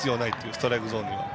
ストライクゾーンには。